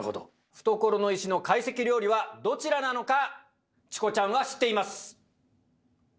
懐の石の懐石料理はどちらなのかチコちゃんは知っています！